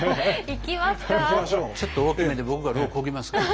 ちょっと大きめで僕が櫓をこぎますから。